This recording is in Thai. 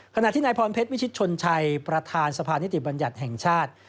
ขณะที่นายพรเพชรวิชิตชนชัยประธานสภานิติบัญญัติแห่งชาติ